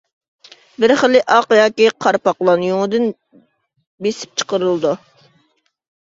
بىر خىلى ئاق ياكى قارا پاقلان يۇڭىدىن بېسىپ چىقىرىلىدۇ.